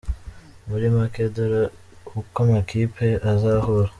Muri make dore uko amakipe azahura:.